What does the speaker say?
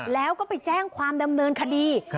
แล้วก็ไปแจ้งความดำเนินคดี